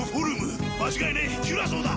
間違いねえキュラソーだ！